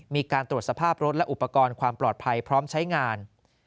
มีการตรวจสภาพรถและอุปกรณ์ความปลอดภัยพร้อมใช้งาน